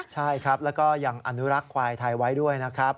ใช่ครับแล้วก็ยังอนุรักษ์ควายไทยไว้ด้วยนะครับ